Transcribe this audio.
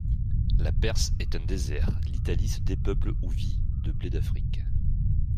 La Perse est un désert, l'Italie se dépeuple ou vit de blé d'Afrique.